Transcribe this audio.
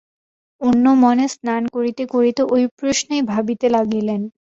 অন্য মনে স্নান করিতে করিতে ঐ প্রশ্নই ভাবিতে লাগিলেন।